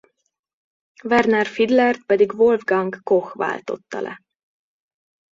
Werner Fiedler-t pedig Wolfgang Koch váltotta le.